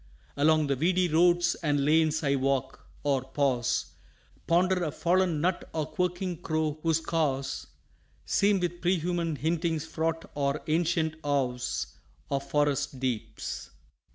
Along the weedy roads and lanes I walk or pause Ponder a fallen nut or quirking crow whose caws Seem with prehuman hintings fraught or ancient awes Of forest deeps.